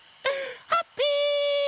ハッピー！